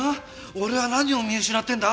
俺は何を見失ってんだ？